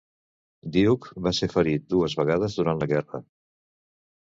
Duke va ser ferit dues vegades durant la guerra.